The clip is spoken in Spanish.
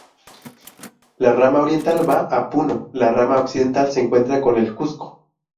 La rama oriental va a Puno; la rama occidental se encuentra con el Cusco.